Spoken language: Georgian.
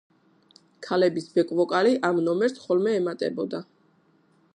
ქალების ბეკ-ვოკალი ამ ნომერს ხოლმე ემატებოდა.